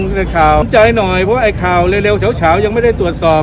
ได้ข่าวสนใจหน่อยเพราะไอ้ข่าวเร็วเฉายังไม่ได้ตรวจสอบ